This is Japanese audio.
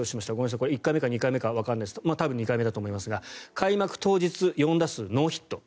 これは１回目か２回目かわかりませんが多分２回目だと思いますが開幕当日、４打数ノーヒット。